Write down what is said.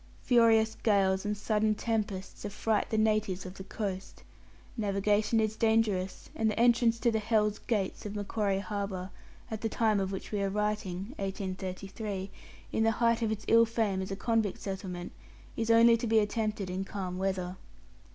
Furious gales and sudden tempests affright the natives of the coast. Navigation is dangerous, and the entrance to the "Hell's Gates" of Macquarie Harbour at the time of which we are writing (1833), in the height of its ill fame as a convict settlement is only to be attempted in calm weather.